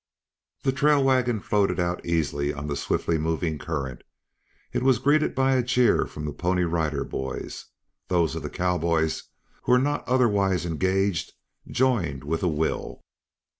The trail wagon floated out easily on the swiftly moving current. It was greeted by a cheer from the Pony Rider Boys. Those of the cowboys who were not otherwise engaged joined with a will.